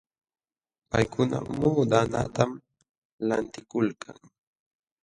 Paykuna muudanatam lantikulkan.